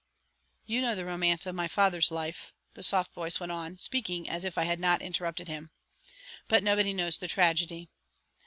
"You know the romance of my father's life," the soft voice went on, speaking as if I had not interrupted him, "but nobody knows the tragedy.